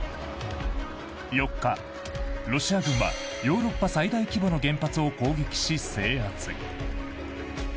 ４日、ロシア軍はヨーロッパ最大規模の原発を攻撃し、制圧。